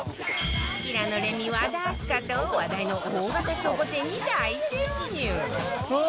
平野レミ和田明日香と話題の大型倉庫店に大潜入